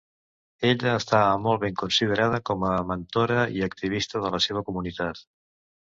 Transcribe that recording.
Ella estava molt ben considerada com a mentora i activista en la seva comunitat.